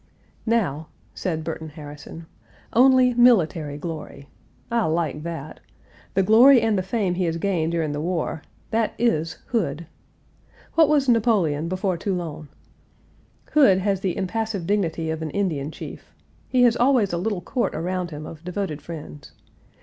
"Now," said Burton Harrison, "only military glory! I like that! The glory and the fame he has gained during the war that is Hood. What was Napoleon before Toulon? Hood has the impassive dignity of an Indian chief. He has always a little court around him of devoted friends.